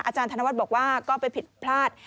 อาจารย์ธนวัฒน์บอกว่าก็ไปผิดพลาด